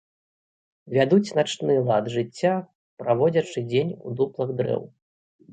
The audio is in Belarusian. Вядуць начны лад жыцця, праводзячы дзень у дуплах дрэў.